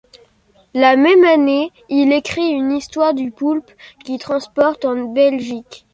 La même année, il écrit une histoire du Poulpe qu'il transporte en Belgique.